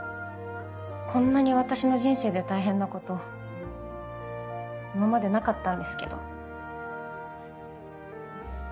こんなに私の人生で大変なこと今までなかったんですけど。